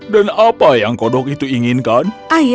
dan apa yang kodok itu inginkan